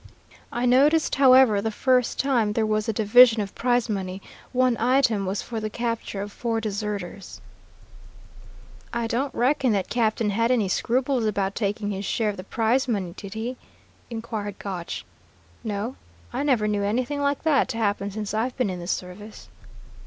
I noticed, however, the first time there was a division of prize money, one item was for the capture of four deserters." "I don't reckon that captain had any scruples about taking his share of the prize money, did he?" inquired Gotch. "No, I never knew anything like that to happen since I've been in the service."